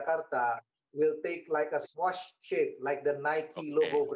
pikiran pertama adalah saat ini sangat sukar